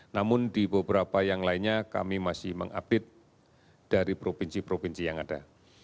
namun di beberapa yang lainnya kami masih mengupdate dari provinsi provinsi yang ada